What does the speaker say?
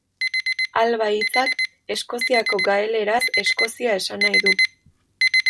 Alba hitzak Eskoziako gaeleraz Eskozia esan nahi du.